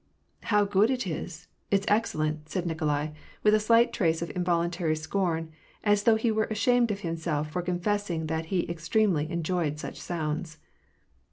" How good it is ! It's excellent !" said Nikolai, with a slight trace of involuntary scorn, as though he were ashamed of hun self for confessing that he extremely enjoyed such sounds.